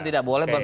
tidak boleh berkata